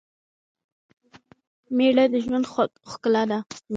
مېړه دژوند ښکلا ده